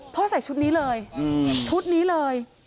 ใส่ชุดนี้เลยชุดนี้เลย